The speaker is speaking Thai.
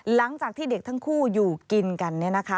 หลังจากที่เด็กทั้งคู่อยู่กินกัน